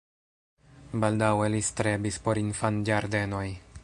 Baldaŭe li strebis por infanĝardenoj.